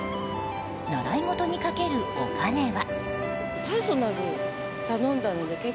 習い事にかけるお金は。